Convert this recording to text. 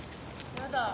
やだ。